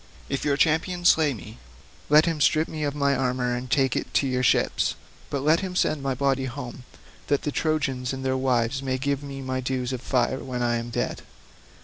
If your champion slay me, let him strip me of my armour and take it to your ships, but let him send my body home that the Trojans and their wives may give me my dues of fire when I am dead.